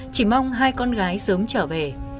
chỉ mong hai con gái sớm trở về